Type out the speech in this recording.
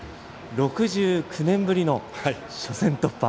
６９年ぶりの初戦突破。